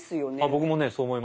僕もねそう思います。